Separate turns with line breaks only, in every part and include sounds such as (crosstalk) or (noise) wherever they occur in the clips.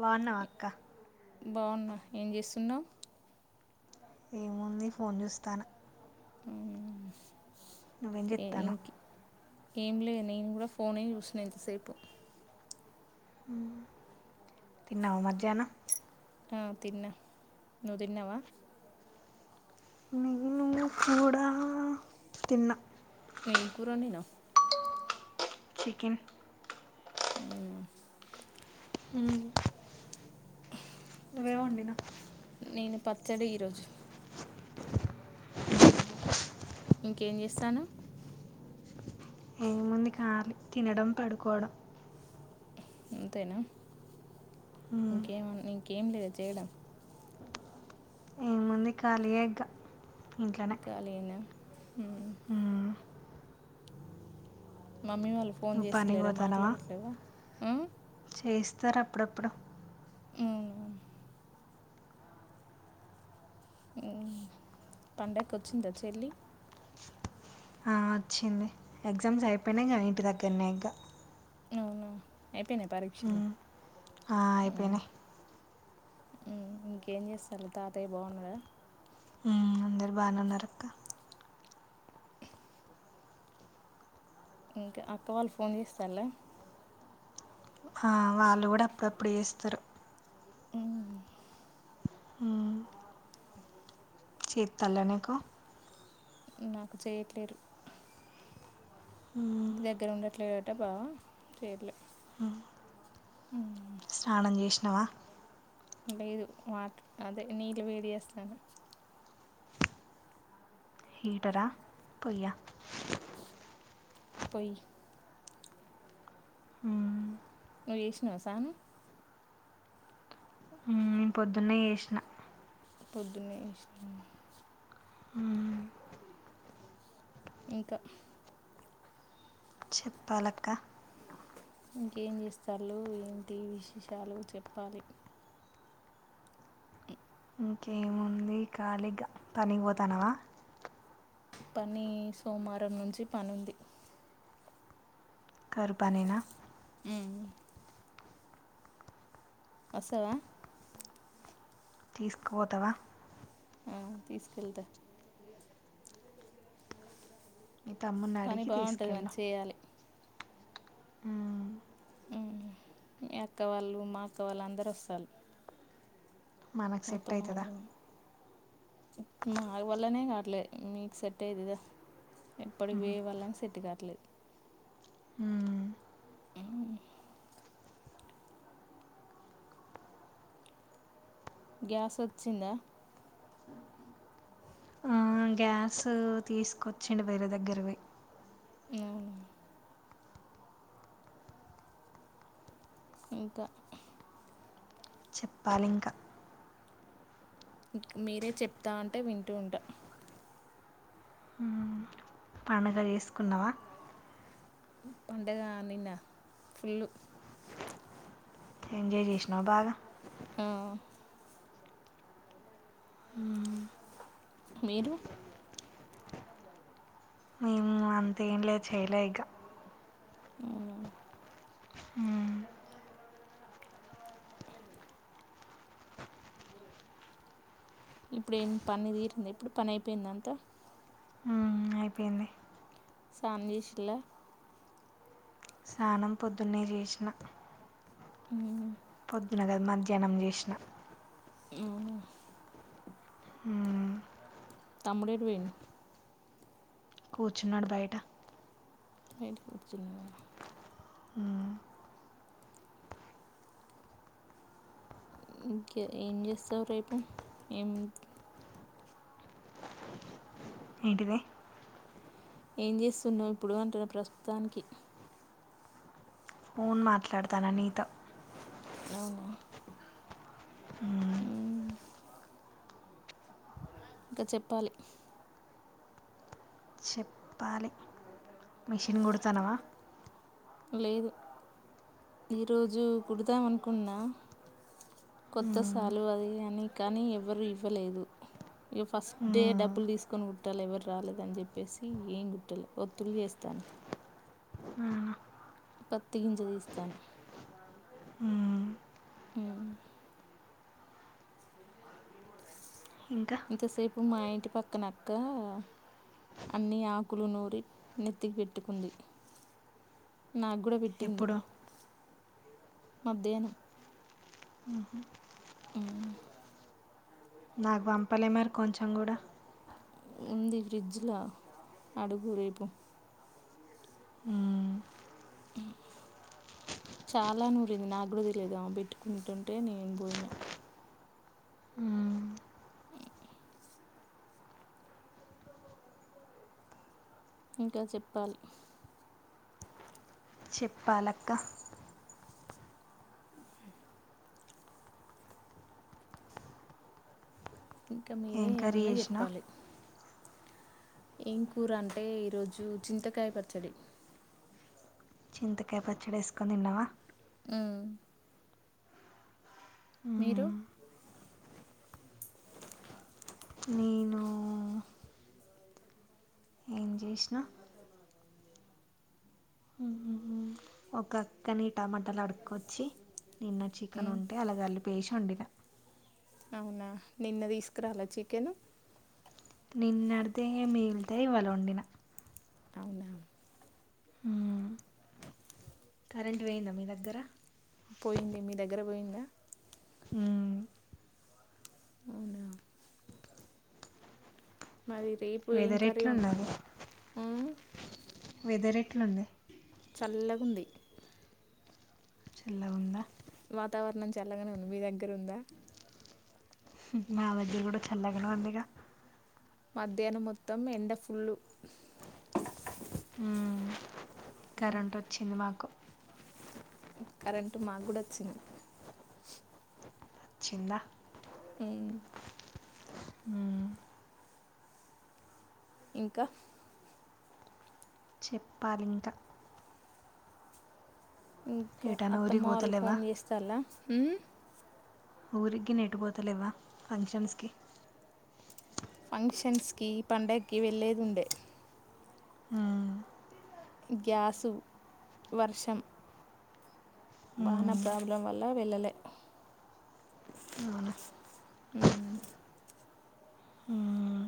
బాగున్నావా అక్క
బాగున్నా ఏం చేస్తున్నావు
ఏముంది ఫోన్ చూస్తాన
హ్మ్
నువ్వేం చేతన్నావ్
ఏం లే నేను కూడా ఫోనే చుసిన ఇంతసేపు
హ్మ్ తిన్నావా మధ్యాహ్నం
ఆ తిన్న నువ్వు తిన్నావా
నేను కూడా తిన్నా
ఏం కూర వండినవు
చికెన్
అవునా.
నువేంవండినావ్
నేను పచ్చడి ఈరోజు ఇంకేం చేస్తాను
ఏముంది కాళీ తినడం పడుకోవడం
అంతేనా
ఉమ్,
ఇంకేమ ఇంకె ఏం లేదు చేయడం
ఏముంది ఖాళీయేగా
ఇంకాలేనా హ్మ్
హ్మ్
మమ్మీ వాళ్ళు ఫోన్
నువ్వు పనికి
చేస్తలేరా
పోతానవా
మాట్లాడట్లేవా జహ్మ్
సర్ అప్పుడప్పుడు
పండగకు వచ్చిందా చెల్లి
వచ్చింది ఎగ్జామ్స్ అయిపోయినగా ఇంటి దగ్గరనే ఇకా
అవునా అయిపోయినాయి పరీక్షలు
ఆ
ఉమ్.
అయిపోయినై
ఇంకేం చేస్తారు తాతయ్య బాగున్నాడా
అందరు బానేఉన్నారు అక్క
ఇంకా అక్క వాళ్ళు ఫోన్ చేస్తాన్ల
ఆ వాళ్ళు కూడా అప్పుడప్పుడు చేస్తారు చేస్తాన్ల నీకు
నాకు చేయట్లేరు
మ్మ్
ఇంటి దగ్గర ఉండలే చేయట్లా బా చేయట్లే
స్నానం చేసినావ
లేదు వాటర్ అదే నీళ్ళు వేడి చేస్తానా
హీటరా పోయ్య
పొయ్యి
హ్మ్
నువ్వు చేసినవా సానం
మ్మ్ నేను పొద్దున్నే చేసిన
పొద్దున్నే చేసినవా
మ్మ్
ఇంకా
చెప్పాలక్క
ఇంకేం చేస్తారు ఏంటి విశేషాలు చెప్పాలి
ఇంకేముంది ఖాళీ గా పనికి పోతానవా
పని సోమవారం నుంచి పనుంది
కరువు పనీనా
హ్మ్ వస్తదా
తీసుకుపోతావ
ఉమ్ తీసుకెళ్తా
మీ తమ్ముని
పని
అడిగి
బాగుంటుంది మరి చేయాలి
ఉమ్
మీ అత్త వాళ్ళు మా అత్త వాళ్ళు అందరూ వస్తారు
మనకు సెట్
అత్తమ్మ
ఐతదా
వాళ్ళు మా వల్లనే కాట్లే నీకు సెట్ ఐతదా ఎప్పటికి పొయ్యేవలకి సెట్ కాదు
మ్మ్
ఉమ్ గ్యాస్ వచ్చిందా
ఆ గ్యాస్ తీసుకొచ్చిండు వేరే దగ్గరకి పోయ్
ఉమ్ ఇంకా
చెప్పాలి ఇంకా
మీరే చెప్తా అంటే వింటూ ఉంటా
మ్మ్. పండుగ చేసుకున్నావా
పండగ నిన్న ఫుల్లు
ఎంజాయ్ చేసినావా బాగా
ఆ
మ్మ్.
మీరు
మేము అంతేం లేదు చేయలే ఇక
అవునా
మ్మ్.
ఇప్పుడు ఏం పని తీరింది ఎప్పుడు పని అయిపోయింది అంతా
మ్మ్. అయిపోయింది
స్నానం చేసిలా
స్నానం పొద్దున్నే చేసిన
ఉమ్
న మధ్యాహ్నం చేసిన
ఉమ్
మ్మ్.
తమ్ముడు ఏటికి పోయిండు
కూర్చున్నాడు బయట
బయట కూర్చున్నాడా
మ్మ్.
ఇంకా ఏం చేస్తావు రేపు ఏం
ఏంటిది
ఏం చేస్తున్నావు ఇప్పుడు అంటున్న ప్రస్తుతానికి
ఫోన్ మాట్లాడతాన్న నీతో
అవునా
మ్మ్.
ఉమ్ ఇంకా చెప్పాలి
పాలి మిషన్ కుడతనవా
లేదు ఈరోజు కుడుదాం అనుకున్న కొత్త
మ్మ్.
సాల్వ్ అదే అని కానీ ఎవరు ఇవ్వలేదు ఇక ఫస్ట్ డే
మ్మ్.
డబ్బులు తీసుకొని కుట్టాలి ఎవరు రాలేద అని చెప్పేసి ఏం కుట్టలే ఒత్తులు చేస్తాను
అవునా?
పతిగింజ తీస్తాను
మ్మ్.
ఉమ్
ఇంకా
ఇంత సేపు ఇప్పుడు మా ఇంటి పక్కనక్క అన్ని ఆకులు నూరి నెత్తికి పెట్టుకుంది నాకు కూడా పెట్టింది
ఎప్పుడు
మధ్యాహ్నం
ఉహూ నాకు పంపలే మరి కొంచెం కూడా
ఉంది ఫ్రిడ్జ్లో అడుగు రేపు
మ్మ్.
చాలా నూరింది నా కూడా తెలిదు ఆమె పెట్టుకుంటుంటే నేను పోయినా
మ్మ్.
ఇంకా చెప్పాలి
చెప్పాలక్క
ఇంకా మీరే
ఏం కర్రీ
ఏమన్నా
చేసినావ్
చెప్పాలి ఏం కూర అంటే ఈరోజు చింతకాయ పచ్చడి
చింతకాయ పచ్చడి వేసుకొని తిన్నావా
ఉమ్ మీరు
మ్మ్. నేను ఏం చేసిన మ్మ్. ఒక అక్కని టమాటాలు అడుక్కొచ్చి నిన్న చికెన్
ఉమ్,
ఉంటే అలా కలిపి చేసినాడు నిన్న
అవునా నిన్న తీసుకురాలా చికెను
నిన్నడితే మిగిలితే ఇవాళ వండిన
అవునా
మ్మ్. కరెంట్ వేయిందా మీ దగ్గర
పోయింది మీ దగ్గర పోయిందా
ఆ
(inaudible) మరి రేపు ఏం
వెదర్
కర్రీ ఉండను ఆ
వెదరెట్లుంది
చల్లగుంది
చల్ల ఉందా
వాతావరణం చల్లగానే ఉంది మీ దగ్గర ఉందా
మా వద్ద కూడా చల్లగానే అందిగా
మధ్యాహ్నం మొత్తం ఎండ ఫుల్లు
ఆ కరెంట్ వచ్చింది మాకు
కరెంటు మాకు కూడా వచ్చింది
వచ్చింద
(inaudible)
(inaudible)
ఇంకా
చెప్పాలింకా
ఇంకా
ఎటైనా
అత్తమ్మ
ఊరికి
వాలు
పోతలేవా
ఫోన్ చేస్తలాా హుమ్
ఊరికి నేట్ పోతలేవా ఫంక్షన్స్ కి
ఫంక్షన్స్ కి పండగకి వెళ్లేదిండే
హ
గ్యాసు వర్షం వాహన
మ్మ్.
ప్రాబ్లం వల్ల వెళ్ళలే
అవునా
అ
మ్మ్.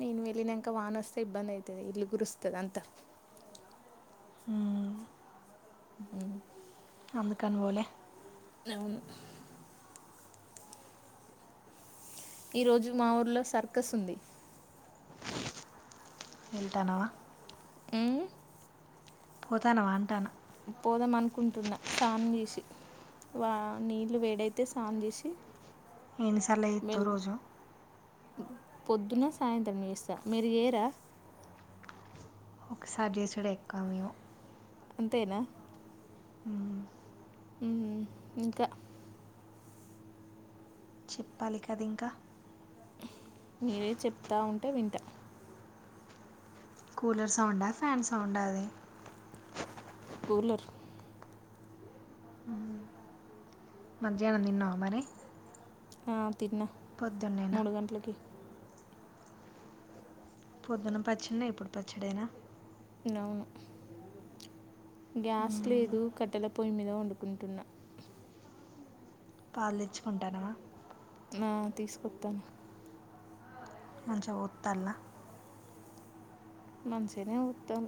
నేను వెళ్ళినాక వాన వస్తే ఇబ్బంది అవుతుంది ఇల్లు కురుస్తుంది అంతా
మ్మ్.
(inaudible)
అందుకను పోలే
అవును ఈ రోజు మా ఊర్లో సర్కస్ ఉంది
వెళ్తానవా
ఆ
పోతాన వాంటాను
పోదాంమకుంటున్నా సానమ్ చేసి వా నీళ్లు వేడైతే సానమ్ చేసి
ఏన్ని సార్లు చెత్తవ్ రోజు
పొద్దున్న సాయంత్రం చేస్తా మీరు ఏరా
ఒకసారి చేసుడే ఎక్కవ మేము
అంతేనా
(inaudible)
ఇంకా
చెప్పాలి కదా ఇంకా
మీరే చెప్తా ఉంటే వింటా
కూలర్ సౌండ్ ఆ ఫ్యాన్ సౌండ్ ఆ ఆది
కూలర్
మధ్యాహ్నం తిన్నావా మరి
ఆ తిన్నా
పొద్దున్నేనా
మూడు గంటలకి
పొద్దున్న పచ్చి నే ఇప్పుడు పచ్చడే నా
నౌన్ గ్యాస్
మ్మ్.
లేదు కట్టెల పొయ్యి మీద వండుకుంటున్నా
పాలు తెచ్చుకుంటున్నావా
ఆ తీసుకొస్తున్న
మంచిగా పొత్తల్లా
మంచిగానే పోతారు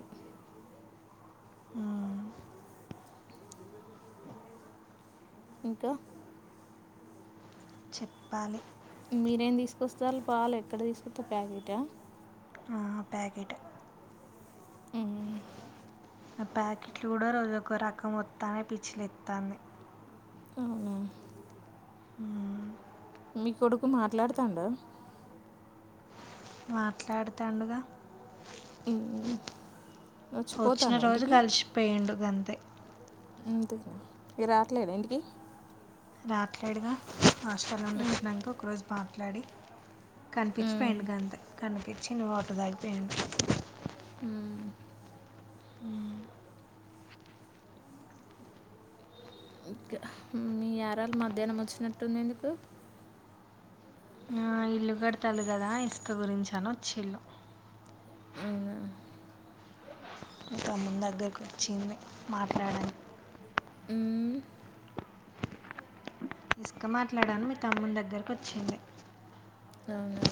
మ్మ్.
ఇంకా
ప్పాలి
మీరేం తీసుకొస్తాల పాలు ఎక్కడ తీసుకొస్త ప్యాకెట్ ఆ
ఆ ప్యాకెట్
ఊహు
ఆ ప్యాకెట్లు కూడా రోజు ఒక రకం వత్తానే పిచ్చిలెత్తాంది
ఉహు
మ్మ్.
మీ కొడుకు మాట్లాడుతాండా
మాట్లాడుతాండుగా
ఊ
వచ్చిన రోజు కలిసి పోయిండు గంతే
అంతేనా ఏ రావట్లేదా ఇంటికి
రాట్లేడుగా హాస్టల్ నుండి
ఉమ్,
వచ్చినంక ఒక రోజు మాట్లాడి
ఉమ్,
కనిపించిపోయిండు గంతే కనిపించి నువ్వు అట్టు ధైపు ఎన్ (unintelligible)
ఊ ఇంకా మీ యరాలు మధ్యాహ్నం వచ్చినట్టుంది ఎందుకు
ఆ, ఇల్లు కడతాల కదా ఇసుక గురించి అని వచ్చిల్లు
అవునా
తమ్ముని దగ్గరకు వచ్చింది మాట్లాడ
ఊ
ఇసుక మాట్లాడాను మీ తమ్ముని దగ్గరకి వచ్చింది.
అవునా